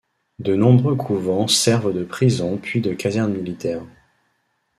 De nombreux couvents servent de prisons puis de casernes militaires.